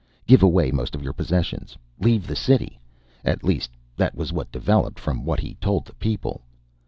Give away most of your possessions, leave the city. At least that was what developed from what he told the people."